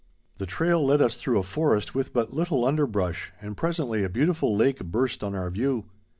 The trail led us through a forest with but little underbrush, and presently a beautiful lake burst on our view.